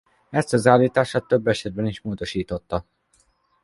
Ezt az állítását több esetben is módosította.